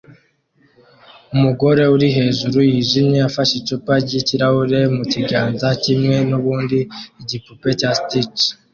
Umugore uri hejuru yijimye afashe icupa ryikirahure mukiganza kimwe nubundi igipupe cya Stitch